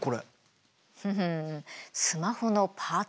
ふふんスマホのパーツ。